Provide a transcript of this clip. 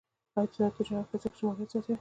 آزاد تجارت مهم دی ځکه چې مالیات زیاتوي.